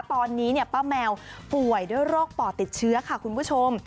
ตอนนี้ป้าแมวป่วยด้วยโรคปอดติดเชื้อค่ะคุณผู้ชม